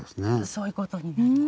そういう事になります。